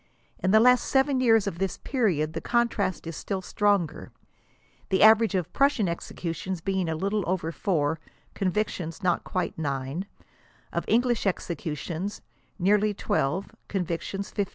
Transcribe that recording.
In the last 7 years of this period the contrast is still stronger, the average of Prussian executions being a little over 4; convictions, not quite 9 ; of English executions, nearly 12s» convictions 15.